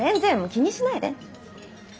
気にしないで。